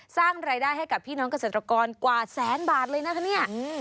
สร้างรายได้ให้กับพี่น้องเกษตรกรกว่าแสนบาทเลยนะคะเนี่ย